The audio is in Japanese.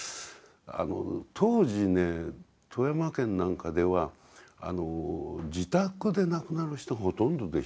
当時ね富山県なんかでは自宅で亡くなる人がほとんどでした。